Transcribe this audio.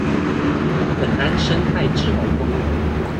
本安生態滯洪公園